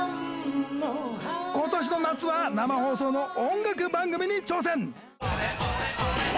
今年の夏は生放送の音楽番組に挑戦。